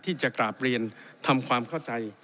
ที่จะกราบเรียนทำความเข้าใจ